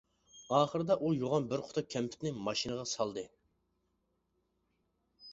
ئاخىرىدا ئۇ يوغان بىر قۇتا كەمپۈتنى ماشىنىغا سالدى.